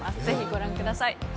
ぜひご覧ください。